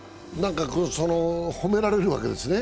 褒められるわけですね。